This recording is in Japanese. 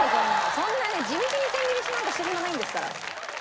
そんなね地道に千切りなんかしてる暇ないんですから。